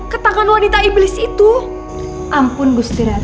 semoga maktrub arah